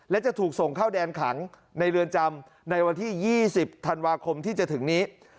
และจะถูกส่งเข้าแดนขังในเรือนจำในวันที่๒๐ธันวาคมที่จะถึงนี้